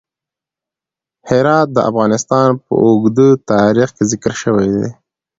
هرات د افغانستان په اوږده تاریخ کې ذکر شوی دی.